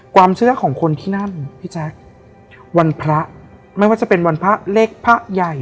ความเชื่อของคนที่นั่นพี่แจ๊ควันพระไม่ว่าจะเป็นวันพระเล็กพระใหญ่